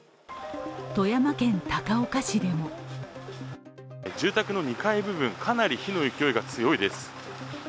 富山県高岡市でも住宅の２階部分、かなり火の勢いが強いです。